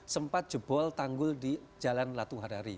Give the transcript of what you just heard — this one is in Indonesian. sempat jebol tanggul di jalan latu harari